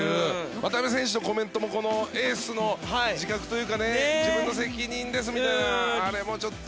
渡邊選手のコメントもエースの自覚というか自分の責任ですみたいなあれもちょっと。